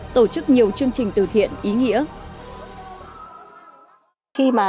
tổ chức nhiều chương trình từ thiện ý nghĩa